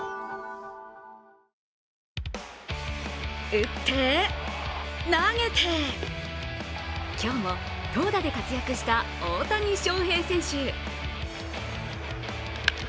打って、投げて、今日も投打で活躍した大谷翔平選手。